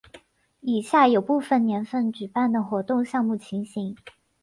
以下有部分年份举办的活动项目情形。